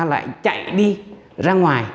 lại chạy đi ra ngoài